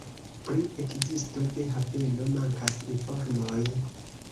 Pri ekzisto de haveno mankas informoj.